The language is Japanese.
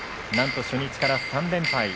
なんと初日から３連敗。